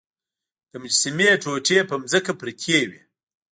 د مجسمې ټوټې په ځمکه پرتې وې.